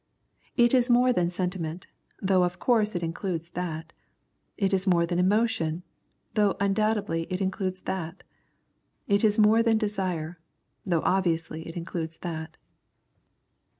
It is more than sentiment, though of course it includes that ; it is more than emotion, though undoubtedly it includes that ; it is more than desire, though obviously it includes that.